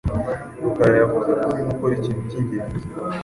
Rukara yavuze ko urimo ukora ikintu cyingenzi.